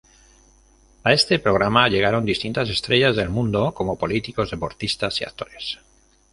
A este programa llegaron distintas estrellas del mundo como políticos, deportistas y actores.